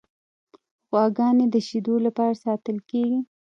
غواګانې د شیدو لپاره ساتل کیږي.